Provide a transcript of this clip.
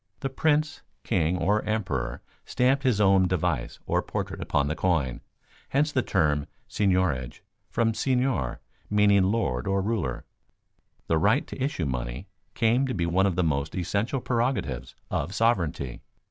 The prince, king, or emperor stamped his own device or portrait upon the coin; hence the term seigniorage from seignior (meaning lord or ruler). The right to issue money came to be one of the most essential prerogatives of sovereignty.